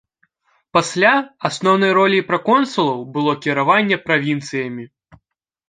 Пасля асноўнай роляй праконсулаў было кіраванне правінцыямі.